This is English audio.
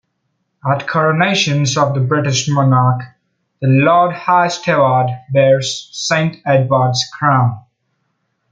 At coronations of the British monarch, the Lord High Steward bears Saint Edward's Crown.